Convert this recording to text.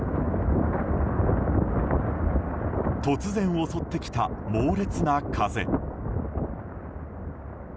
突然襲ってきた猛烈な風。